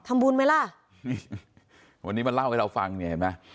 บุญไหมล่ะวันนี้มาเล่าให้เราฟังเนี่ยเห็นไหม